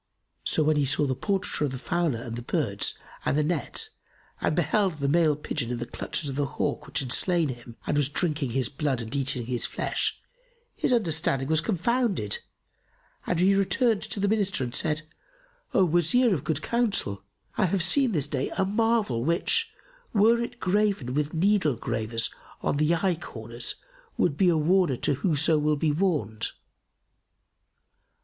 So when he saw the portraiture of the fowler and the birds and the net and beheld the male pigeon in the clutches of the hawk, which had slain him and was drinking his blood and eating his flesh, his understanding was confounded and he returned to the Minister and said, "O Wazir of good counsel, I have seen this day a marvel which, were it graven with needle gravers on the eye corners would be a warner to whoso will be warned."